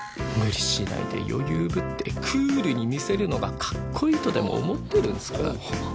無理しないで余裕ぶってクールに見せるのがかっこいいとでも思ってるんすか。